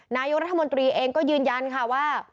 นายกรัฐมนตรีเองก็ยืนยันค่ะว่า